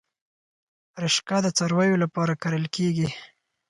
رشقه د څارویو لپاره کرل کیږي